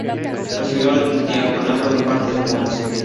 Recibió el diaconado de parte de Mons.